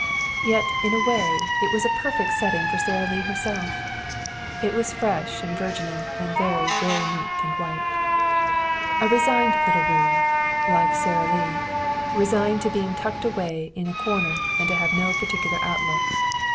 Yet in a way it was a perfect setting for Sara Lee herself. It was fresh and virginal, and very, very neat and white. A resigned little room, like Sara Lee, resigned to being tucked away in a corner and to having no particular outlook.